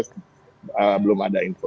saya belum ada info